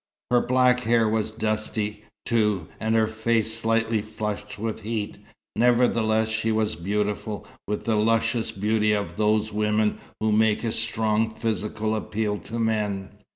Her black hair was dusty, too, and her face slightly flushed with heat, nevertheless she was beautiful, with the luscious beauty of those women who make a strong physical appeal to men.